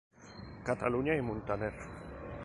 Cataluña y Muntaner.